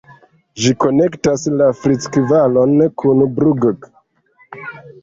Ĝi konektas la Frick-Valon kun Brugg.